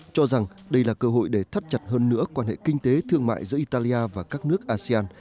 cho rằng đây là cơ hội để thắt chặt hơn nữa quan hệ kinh tế thương mại giữa italia và các nước asean